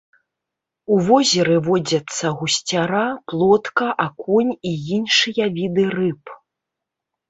У возеры водзяцца гусцяра, плотка, акунь і іншыя віды рыб.